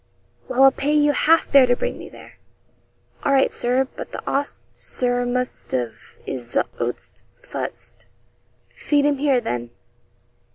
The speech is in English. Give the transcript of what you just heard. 'Well, I'll pay you half fare to bring me there.' 'All right, Sir. But the 'oss, Sir, must 'av 'is oats fust.' 'Feed him here, then.